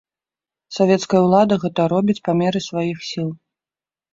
Савецкая ўлада гэта робіць па меры сваіх сіл.